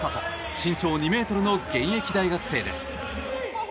身長２ｍの現役大学生です。